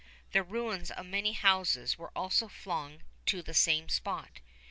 The ruins of many houses were also flung to the same spot.